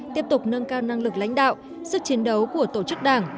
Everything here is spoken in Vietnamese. tiếp tục nâng cao năng lực lãnh đạo sức chiến đấu của tổ chức đảng